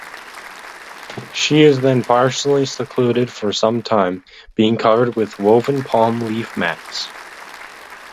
She is then partially secluded for some time, being covered with woven palm-leaf mats.